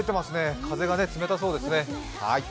風が冷たそうですね。